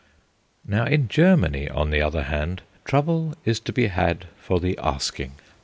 Now, in Germany, on the other hand, trouble is to be had for the asking.